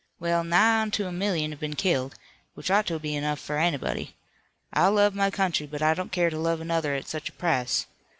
Well, nigh onto a million have been killed, which ought to be enough for anybody. I love my country, but I don't care to love another at such a price.